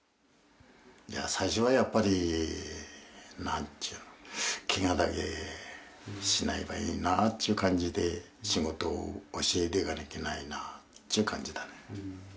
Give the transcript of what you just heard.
いや最初はやっぱりなんちゅうのケガだけしないばいいなっちゅう感じで仕事を教えでかなきゃないなっちゅう感じだね。